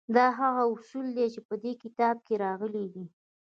دا هغه اصول دي چې په دې کتاب کې راغلي دي